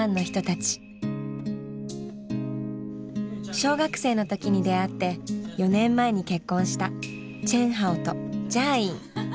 小学生の時に出会って４年前に結婚したチェンハオとジャーイン。